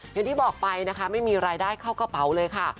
อย่างที่บอกไปนะคะไม่มีรายได้เข้ากระเป๋าเลยค่ะ